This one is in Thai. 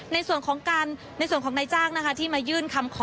ในส่วนของการในส่วนของนายจ้างนะคะที่มายื่นคำขอ